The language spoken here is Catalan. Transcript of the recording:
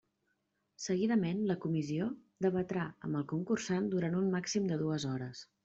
Seguidament, la comissió debatrà amb el concursant durant un màxim de dues hores.